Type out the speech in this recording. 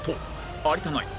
有田ナイン